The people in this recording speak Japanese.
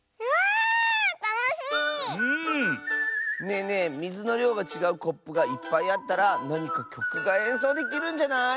ねえねえみずのりょうがちがうコップがいっぱいあったらなにかきょくがえんそうできるんじゃない？